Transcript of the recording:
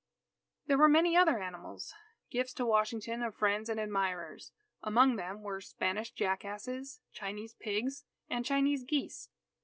There were many other animals gifts to Washington of friends and admirers. Among them were Spanish jackasses, Chinese pigs, and Chinese geese.